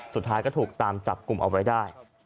สุดท้ายก็ถูกตามจับกลุ่มเอาไว้ได้